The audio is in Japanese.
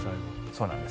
そうなんです。